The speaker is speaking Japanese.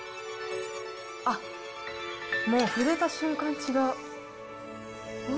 あっ、もう触れた瞬間、違う。